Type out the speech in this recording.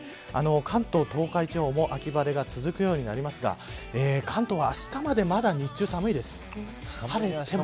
関東、東海地方も秋晴れが続くようになりますが関東は、あしたまでまだ日中、寒いです。